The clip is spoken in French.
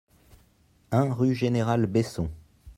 un rue Général Besson